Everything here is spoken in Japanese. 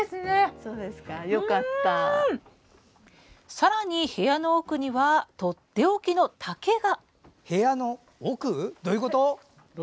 さらに部屋の奥にはとっておきの竹が。